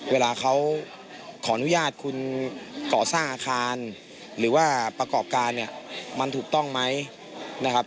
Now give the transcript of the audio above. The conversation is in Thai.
เวลาเขาขออนุญาตคุณก่อสร้างอาคารหรือว่าประกอบการเนี่ยมันถูกต้องไหมนะครับ